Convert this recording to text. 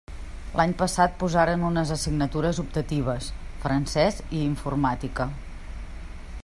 L'any passat posaren unes assignatures optatives: francés i informàtica.